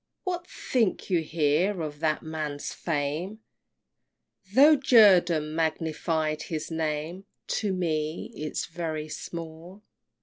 What think you here of that man's fame? Tho' Jerdan magnified his name, To me 'tis very small!